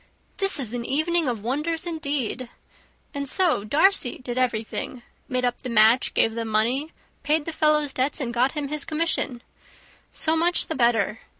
"This is an evening of wonders, indeed! And so, Darcy did everything; made up the match, gave the money, paid the fellow's debts, and got him his commission! So much the better.